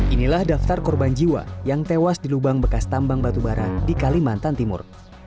inilah daftar korban jiwa yang tewas di lubang bekas tambang batubara di kalimantan timur